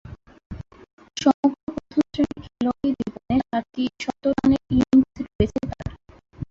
সমগ্র প্রথম-শ্রেণীর খেলোয়াড়ী জীবনে সাতটি শতরানের ইনিংস রয়েছে তার।